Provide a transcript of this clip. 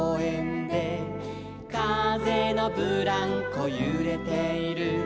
「かぜのブランコゆれている」